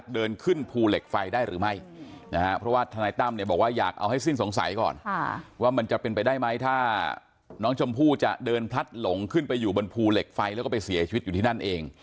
เดินพลัดหลงขึ้นไปอยู่บนภูเหล็กไฟแล้วก็ไปเสียชีวิตอยู่ที่นั่นเอง